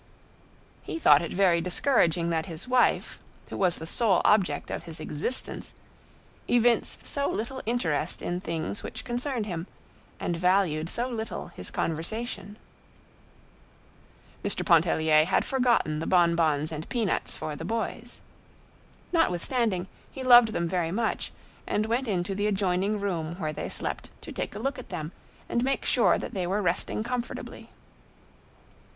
He thought it very discouraging that his wife, who was the sole object of his existence, evinced so little interest in things which concerned him, and valued so little his conversation. Mr. Pontellier had forgotten the bonbons and peanuts for the boys. Notwithstanding he loved them very much, and went into the adjoining room where they slept to take a look at them and make sure that they were resting comfortably.